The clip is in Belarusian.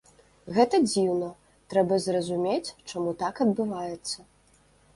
Гэта дзіўна, трэба зразумець, чаму так адбываецца.